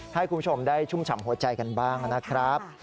ให้คุณผู้ชมได้ชุ่มฉ่ำหัวใจกันบ้างนะครับ